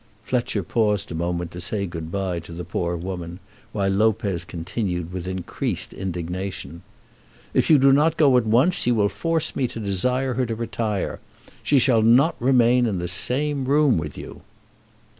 Fletcher paused a moment to say good bye to the poor woman, while Lopez continued with increased indignation, "If you do not go at once you will force me to desire her to retire. She shall not remain in the same room with you."